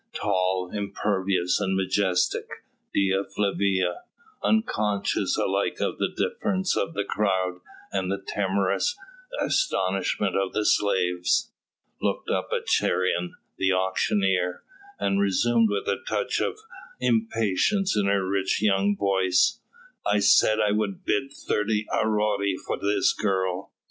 Tall, imperious and majestic, Dea Flavia unconscious alike of the deference of the crowd and the timorous astonishment of the slaves looked up at Cheiron, the auctioneer, and resumed with a touch of impatience in her rich young voice: "I said that I would bid thirty aurei for this girl!"